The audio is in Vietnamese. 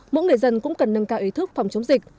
mỗi người dân cũng cần nâng cao ý thức phòng chống dịch